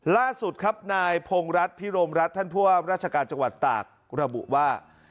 ล่าสุดครับนายพงรัฐพิรมรัฐท่านผู้ว่าราชการจังหวัดตากระบุว่า